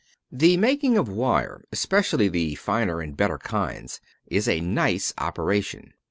The making of wire, especially the finer and better kinds, is a nice operation.